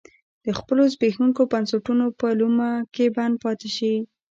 د خپلو زبېښونکو بنسټونو په لومه کې بند پاتې شي.